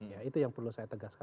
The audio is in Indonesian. ya itu yang perlu saya tegaskan